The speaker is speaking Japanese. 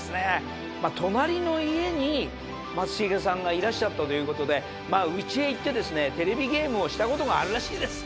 隣の家に松重さんがいらっしゃったという事で家へ行ってですねテレビゲームをした事があるらしいです。